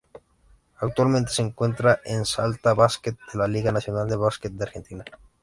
Actualmente se encuentra en Salta Basket de la Liga Nacional de Básquet de Argentina.